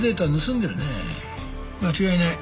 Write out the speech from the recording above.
間違いない。